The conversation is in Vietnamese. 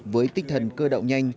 với tinh thần cơ động nhanh